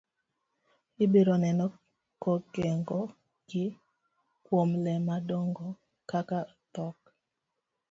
Ibiro neno kogeng'o gi kuom le madongo kaka dhok.